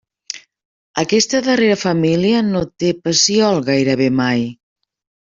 Aquesta darrera família no té pecíol gairebé mai.